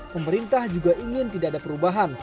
pemerintah juga ingin tidak ada perubahan